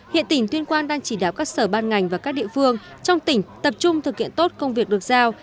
hiện tỉnh tuyên quang đang chỉ đáo các sở ban ngành và các địa phương trong tỉnh tập trung thực hiện tốt công việc được giao